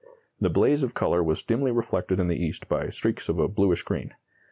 The blaze of color was dimly reflected in the east by streaks of a bluish green.